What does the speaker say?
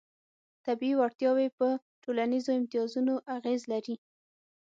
طبیعي وړتیاوې په ټولنیزو امتیازونو اغېز لري.